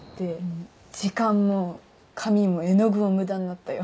時間も紙も絵の具も無駄になったよ。